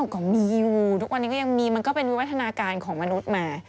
ก็มีอยู่ทุกวันนี้ก็ยังมีมันก็เป็นวิวัฒนาการของมนุษย์มา